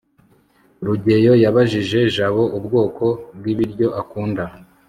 rugeyo yabajije jabo ubwoko bw'ibiryo akunda